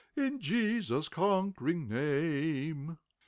In Je sus' conquering name.